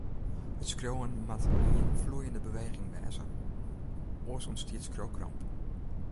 It skriuwen moat ien floeiende beweging wêze, oars ûntstiet skriuwkramp.